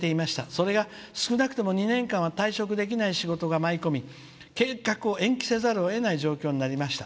それが少なくとも２年間退職できない仕事が舞い込み計画を延期せざるをえない状況になりました。